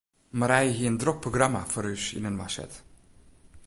Marije hie in drok programma foar ús yninoar set.